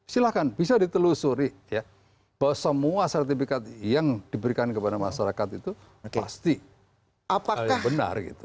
silahkan bisa ditelusuri bahwa semua sertifikat yang diberikan kepada masyarakat itu pasti apakah benar gitu